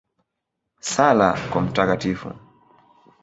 Sala kwa Mt.